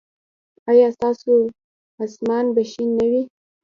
ایا ستاسو اسمان به شین نه وي؟